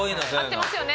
合ってますよね？